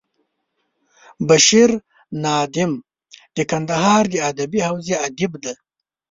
بشیر نادم د کندهار د ادبي حوزې ادیب دی.